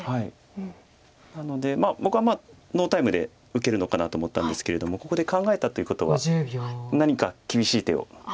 なので僕はノータイムで受けるのかなと思ったんですけれどもここで考えたということは何か厳しい手を。